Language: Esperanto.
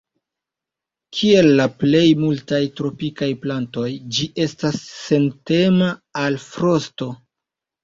Kiel la plej multaj tropikaj plantoj, ĝi estas sentema al frosto.